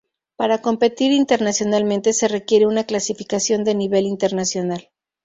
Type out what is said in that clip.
Para competir internacionalmente, se requiere una clasificación de nivel Internacional.